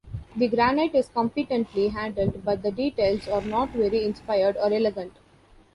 The granite is competently handled, but the details are not very inspired or elegant.